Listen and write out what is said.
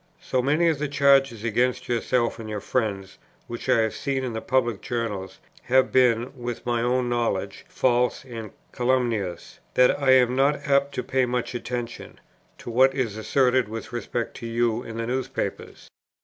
So many of the charges against yourself and your friends which I have seen in the public journals have been, within my own knowledge, false and calumnious, that I am not apt to pay much attention, to what is asserted with respect to you in the newspapers.